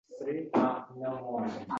Bu uch kun xuddi uch oydek oʻtdi, goʻyo